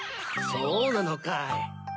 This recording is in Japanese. そうなのかい。